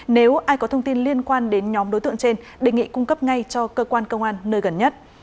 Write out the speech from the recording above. nếu ai có thông tin liên quan đến nhóm đối tượng trên đề nghị cung cấp ngay cho cơ quan công an nơi gần nhất